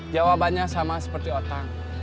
jawabannya sama seperti otang